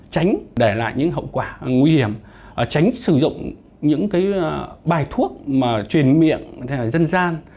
tránh để lại những hậu quả nguy hiểm tránh sử dụng những bài thuốc truyền miệng dân gian